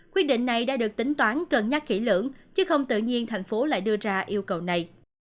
quyết định này đã được tính toán cân nhắc kỹ lưỡng chứ không tự nhiên thành phố lại đưa ra yêu cầu này